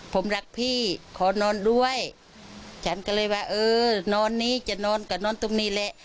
ผมรักพี่ขอนอนด้วยฉันก็เลยว่าเออนอนนี้จะนอนก็นอนตรงนี้แหละ